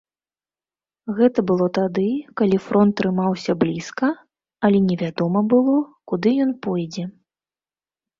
Гэта было тады, калі фронт трымаўся блізка, але невядома было, куды ён пойдзе.